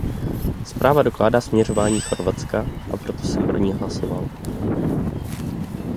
Zpráva dokládá směřování Chorvatska, a proto jsem pro ni hlasoval.